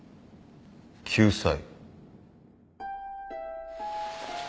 救済？